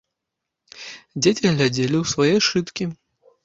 Дзеці глядзелі ў свае сшыткі.